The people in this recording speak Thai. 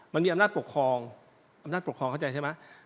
มันมีอำนาจปกครองอำนาจปกครองเข้าใจใช่ไหม